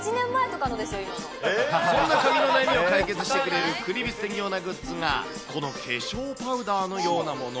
そんな髪の悩みを解決してくれるクリビツテンギョーなグッズが、この化粧パウダーのようなもの。